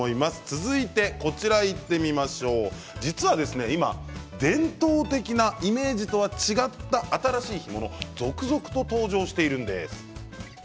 続いて、実は今伝統的なイメージとは違った新しい干物続々と登場しているんです。